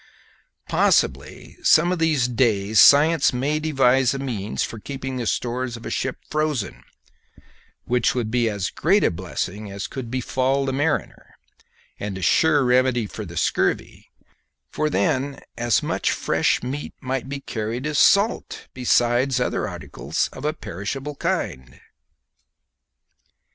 Possibly some of these days science may devise a means for keeping the stores of a ship frozen, which would be as great a blessing as could befall the mariner, and a sure remedy for the scurvy, for then as much fresh meat might be carried as salt, besides other articles of a perishable kind.